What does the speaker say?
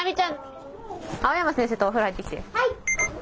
はい！